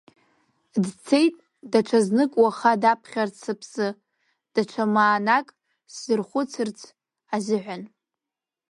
Дцеит, даҽазнык уаха даԥхьарц сыԥсы, даҽа маанак сзырхәыцырц азыҳәан.